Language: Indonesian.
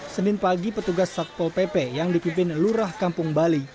senin pagi petugas satpol pp yang dipimpin lurah kampung bali